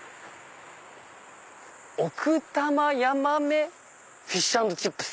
「奥多摩ヤマメフィッシュ＆チップス」。